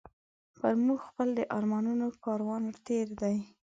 پر موږ خپل د ارمانونو کاروان تېر دی